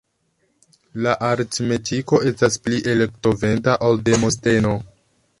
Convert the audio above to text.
La aritmetiko estas pli elokventa ol Demosteno!